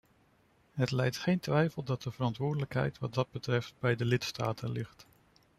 Het lijdt geen twijfel dat de verantwoordelijkheid wat dat betreft bij de lidstaten ligt.